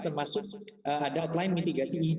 termasuk ada offline mitigasi